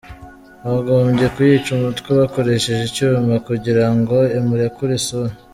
"Bagombye kuyica umutwe bakoresheje icyuma kugira ngo imurekure isura.